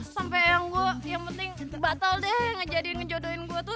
sampai yang gue yang penting batal deh ngejadiin menjodohin gue tuh